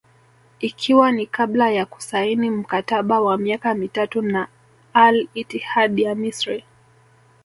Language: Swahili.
Ikiwa ni kabla ya kusaini mkataba wa miaka mitatu na Al Ittihad ya Misri